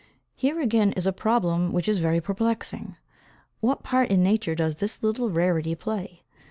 Here again is a problem which is very perplexing! What part in nature does this little rarity play?